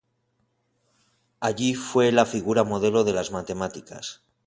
Allí fue la figura modelo de las matemáticas.